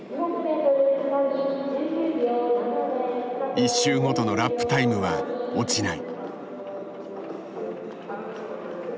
１周ごとのラップタイムは落ちない。